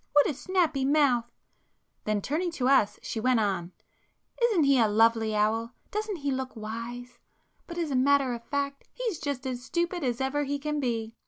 —what a snappy mouth!" Then turning to us, she went on—"Isn't he a lovely owl? Doesn't he look wise?—but as a matter of fact he's just as stupid as ever he can be.